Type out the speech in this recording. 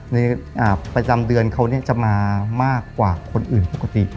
ประจำเดือนเขาจะมามากกว่าคนอื่นปกติ